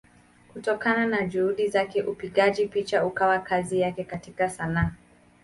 Kutokana na Juhudi zake upigaji picha ukawa kazi yake katika Sanaa.